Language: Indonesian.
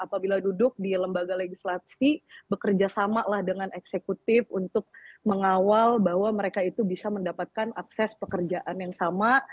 apabila duduk di lembaga legislasi bekerja samalah dengan eksekutif untuk mengawal bahwa mereka itu bisa mendapatkan akses pekerjaan yang sama